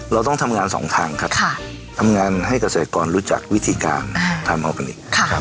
เราต้องทำงานสองทางครับทำงานให้เกษตรกรรู้จักวิธีการทำออร์ผลิต